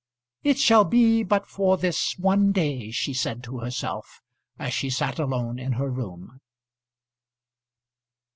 "It shall be but for this one day," she said to herself as she sat alone in her room.